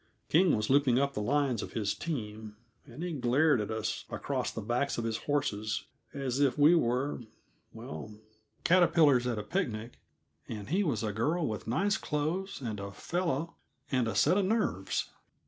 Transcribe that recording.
King was looping up the lines of his team, and he glared at us across the backs of his horses as if we were well, caterpillars at a picnic and he was a girl with nice clothes and a fellow and a set of nerves.